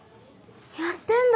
やってんだ！